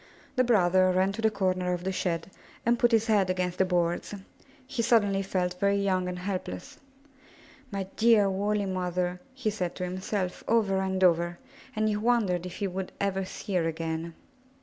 The brother ran to the corner of the shed and put his head against the boards. He suddenly felt very young and helpless. My dear, woolly mother r' he said to himself, over and over, and he wondered if he would ever see her again.